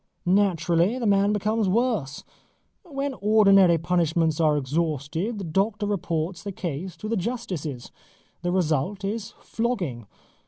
Naturally the man becomes worse. When ordinary punishments are exhausted, the doctor reports the case to the justices. The result is flogging.